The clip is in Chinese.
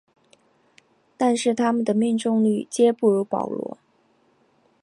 但是它们的命中率皆不如保罗。